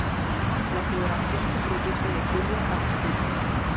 La floración se produce de julio a octubre.